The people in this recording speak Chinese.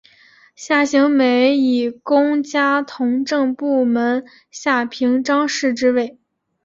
夏行美以功加同政事门下平章事之位。